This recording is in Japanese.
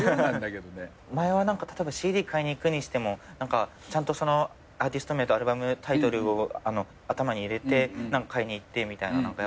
前は例えばＣＤ買いに行くにしてもちゃんとアーティスト名とアルバムタイトルを頭に入れて買いに行ってみたいな。